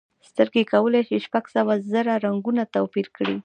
سترګې کولی شي شپږ سوه زره رنګونه توپیر کړي.